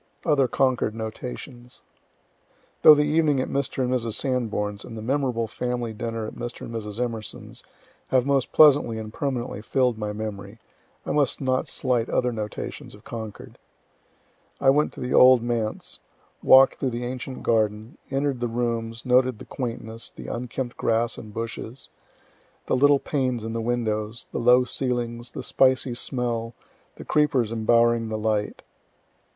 OTHER CONCORD NOTATIONS Though the evening at Mr. and Mrs. Sanborn's, and the memorable family dinner at Mr. and Mrs. Emerson's, have most pleasantly and permanently fill'd my memory, I must not slight other notations of Concord. I went to the old Manse, walk'd through the ancient garden, enter'd the rooms, noted the quaintness, the unkempt grass and bushes, the little panes in the windows, the low ceilings, the spicy smell, the creepers embowering the light.